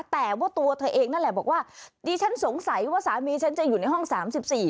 แต่ว่าตัวเธอเองนั่นแหละบอกว่าดิฉันสงสัยว่าสามีฉันจะอยู่ในห้องสามสิบสี่